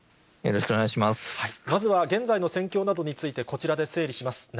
まずは現在の戦況などについて、こちらで整理します。